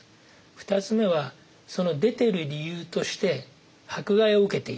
２つ目は出てる理由として迫害を受けている。